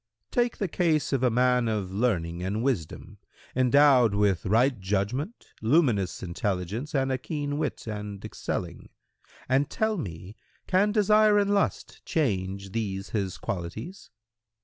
Q "Take the case of a man of learning and wisdom, endowed with right judgment, luminous intelligence and a keen wit and excelling, and tell me can desire and lust change these his qualities?"